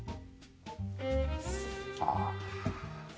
ああ。